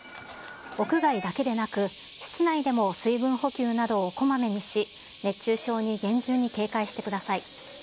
屋外だけでなく、室内でも水分補給などをこまめにし、熱中症に厳重に警戒してください。